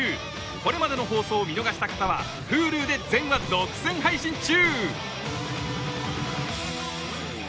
これまでの放送を見逃した方はｈｕｌｕで全話独占配信中！